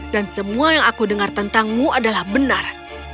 dan semua yang aku dengar tentangmu adalah benar